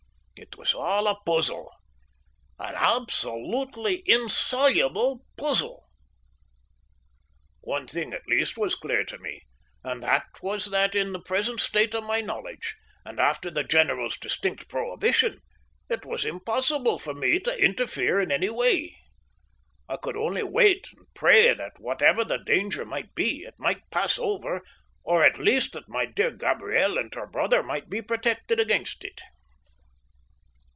It was all a puzzle an absolutely insoluble puzzle. One thing at least was clear to me and that was that in the present state of my knowledge, and after the general's distinct prohibition, it was impossible for me to interfere in any way. I could only wait and pray that, whatever the danger might be, it might pass over, or at least that my dear Gabriel and her brother might be protected against it.